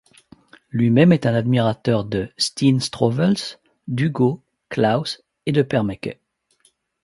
Lui-même est un admirateur de Stijn Streuvels, d'Hugo Claus et de Permeke.